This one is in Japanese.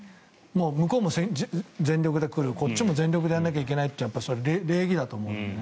向こうも全力で来るこっちも全力でやらないといけないというのは礼儀だと思うんだよね。